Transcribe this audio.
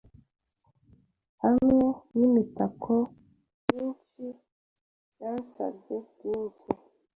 Hamwe nimitako myinshibyansabye byinshi